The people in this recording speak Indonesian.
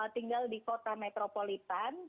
tinggal di kota metropolitan